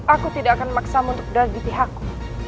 aku tidak akan memaksamu untuk berlari di pihakku